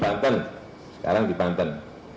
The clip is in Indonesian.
banten sekarang di banten